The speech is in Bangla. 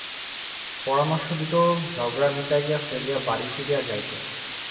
পরামর্শ দিত ঝগড়া মিটাইয়া ফেলিয়া বাড়ি ফিরিয়া যাইতে।